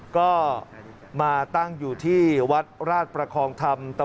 ก็มาตั้งอยู่ที่วัดราชประคองธรรม